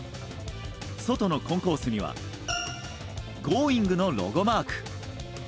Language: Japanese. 外のコンコースには「Ｇｏｉｎｇ！」のロゴマーク。